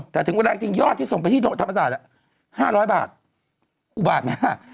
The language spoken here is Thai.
แต่ถึงเวลาจริงยอดที่ส่งไปที่ธรรมศาสตร์๕๐๐บาทอุบาทมาก